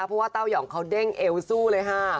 เพราะว่าเต้ายองเขาเด้งเอวสู้เลยค่ะ